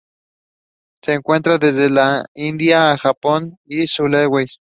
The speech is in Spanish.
Se encuentra desde la India a Japón y Sulawesi.